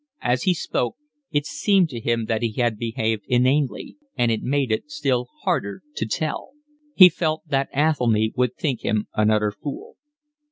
As he spoke it seemed to him that he had behaved inanely, and it made it still harder to tell. He felt that Athelny would think him an utter fool.